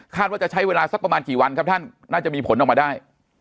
ว่าจะใช้เวลาสักประมาณกี่วันครับท่านน่าจะมีผลออกมาได้